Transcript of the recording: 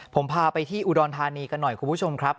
ผมพาไปที่อุดรธานีกันหน่อยคุณผู้ชมครับ